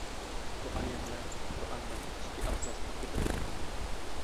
بۇ ئايەتلەر قۇرئاندا ئىككى ئابزاستا تېپىلىدۇ.